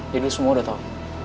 jadi lo semua udah tau